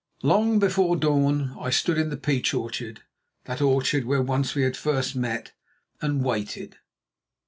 Long before the dawn I stood in the peach orchard, that orchard where we had first met, and waited.